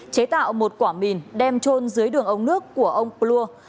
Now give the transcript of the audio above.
chế tạo một quả mìn đem trôn dưới đường ống nước của ông plua